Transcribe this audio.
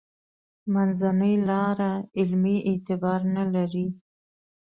منځنۍ لاره علمي اعتبار نه لري.